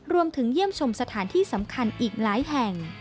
เยี่ยมชมสถานที่สำคัญอีกหลายแห่ง